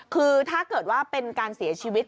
เพราะถ้าเป็นการเสียชีวิต